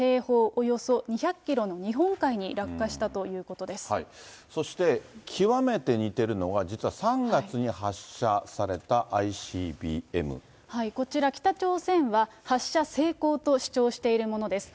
およそ２００キロの日本海に落下したといそして極めて似てるのが、こちら、北朝鮮は発射成功と主張しているものです。